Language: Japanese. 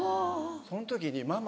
その時にママが。